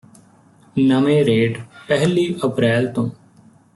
ਨਵੇਂ ਰੇਟ ਪਹਿਲੀ ਅਪਰੈਲ ਤੋਂ